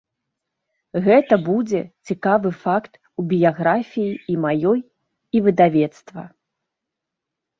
Гэта будзе цікавы факт у біяграфіі і маёй, і выдавецтва.